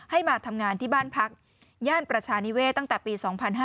มาทำงานที่บ้านพักย่านประชานิเวศตั้งแต่ปี๒๕๕๙